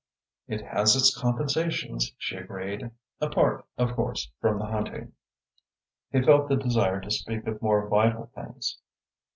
"It has its compensations," she agreed, "apart, of course, from the hunting." He felt the desire to speak of more vital things.